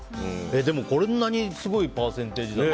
でもこんなにすごいパーセンテージ。